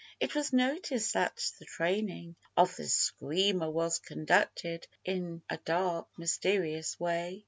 It was noticed that the training Of the Screamer was conducted in a dark, mysterious way.